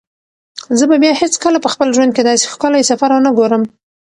زه به بیا هیڅکله په خپل ژوند کې داسې ښکلی سفر ونه ګورم.